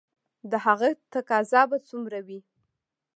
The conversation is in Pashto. د هغه تقاضا به څومره وي؟